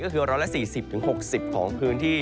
ก็คือร้อนละ๔๐๖๐ของพื้นที่